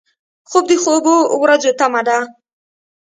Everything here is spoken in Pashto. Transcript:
خوب د خوبو ورځو تمه ده